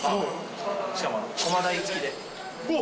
しかも駒台つきで。